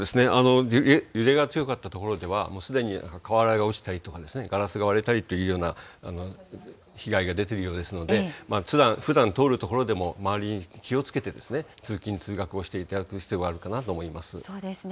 揺れが強かった所では、もうすでに瓦が落ちたりとかですね、ガラスが割れたりというような被害が出ているようですので、ふだん通る所でも、周りに気をつけて通勤・通学をしていただく必要があるかなと思いそうですね。